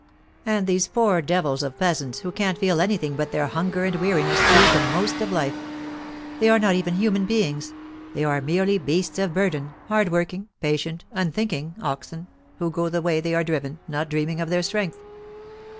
And these poor devils of peasants, who can't feel anything but their hunger and weariness, lose the most of life. They are not even human beings; they are merely beasts of burden, hard working, patient, unthinking oxen, who go the way they are driven, not dreaming of their strength.